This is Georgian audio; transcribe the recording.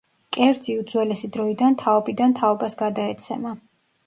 კერძი უძველესი დროიდან თაობიდან თაობას გადაეცემა.